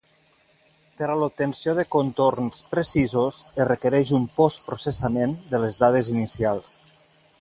Per a l'obtenció de contorns precisos es requereix un postprocessament de les dades inicials.